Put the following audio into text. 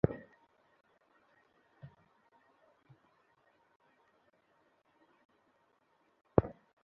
সর্বশেষ রোববার দিবাগত রাতে তাঁর বাড়ির তিনটি খড়ের পালায় অগ্নিসংযোগ করা হয়।